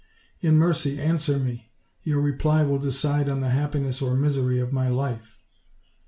In mercy answer me; your reply will decide on the happiness or misery of my life."